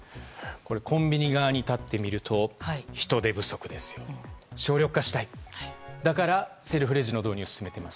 コンビニ側に立ってみると人手不足ですので省力化したから、セルフレジの導入を進めています。